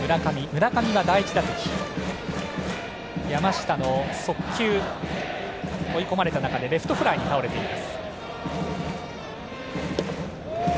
村上は第１打席山下の速球、追い込まれた中でレフトフライに倒れています。